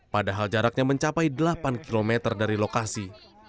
padahal jaraknya mencapai delapan km dari lokasi